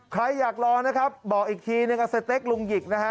ใครอยากรอนะครับบอกอีกทีสเต็กลุงหยิก